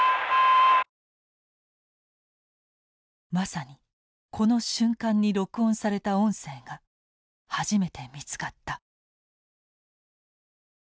まさにこの瞬間に録音された音声が初めて見つかった。